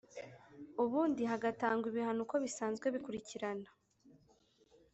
ubundi hagatangwa ibihano uko bisanzwe bikurikirana